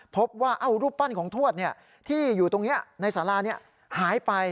พบว่ารูปปั้นของทวดที่อยู่ตรงนี้ในสารานี้หายไป